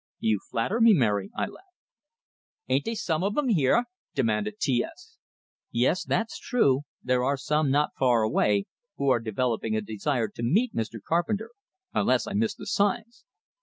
"You flatter me, Mary," I laughed. "Ain't dey some of 'em here?" demanded T S. "Yes, that's true. There are some not far away, who are developing a desire to meet Mr. Carpenter, unless I miss the signs."